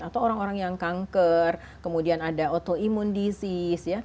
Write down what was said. atau orang orang yang kanker kemudian ada autoimune disease